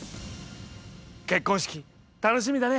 結婚式楽しみだね！